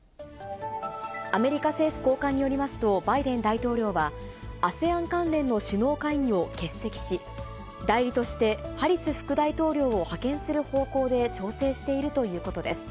アメリカ政府高官によりますと、バイデン大統領はＡＳＥＡＮ関連の首脳会議を欠席し、代理として、ハリス副大統領を派遣する方向で調整しているということです。